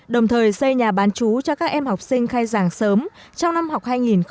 đồng thời xây nhà bán chú cho các em học sinh khai giảng sớm trong năm học hai nghìn một mươi bảy hai nghìn một mươi tám